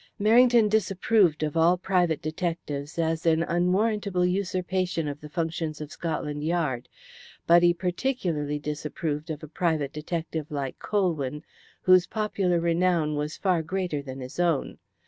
Merrington disapproved of all private detectives as an unwarrantable usurpation of the functions of Scotland Yard, but he particularly disapproved of a private detective like Colwyn, whose popular renown was far greater than his own.